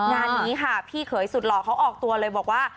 งานนี้ค่ะพี่เขยสุดหล่อเขาออกตัวเลยบอกว่า